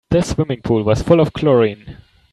The swimming pool was full of chlorine.